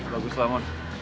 bagus lah mon